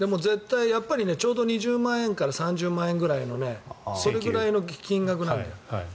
ちょうど２０万円から３０万円ぐらいのそれぐらいの金額なんだよ。